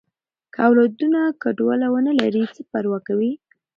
که اولادونه کوډله ونه لري، څه پروا کوي؟